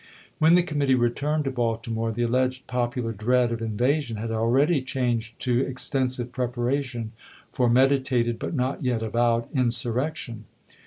When the committee retui'ned to Baltimore, the alleged popular dread of invasion had already changed to extensive preparation for meditated but not yet avowed insurrection.